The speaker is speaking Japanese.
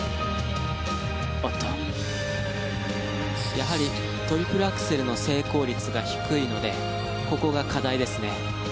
やはりトリプルアクセルの成功率が低いのでここが課題ですね。